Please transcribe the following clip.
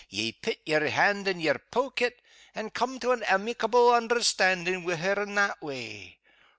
ye pet yer hand in yer poaket, and come to an aimicable understandin' wi' her in that way.